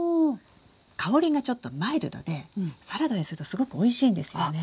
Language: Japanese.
香りがちょっとマイルドでサラダにするとすごくおいしいんですよね。